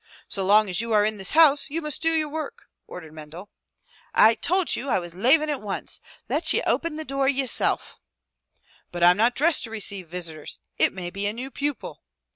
"So long as you are in this house, you must do your work," ordered Mendel. " I tould ye I was lavin' at once. Let ye open the door yerself ." "But I'm not dressed to receive visitors. It may be a new pupil."